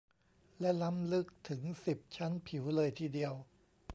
และล้ำลึกถึง สิบ ชั้นผิวเลยทีเดียว